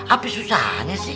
apa susahnya sih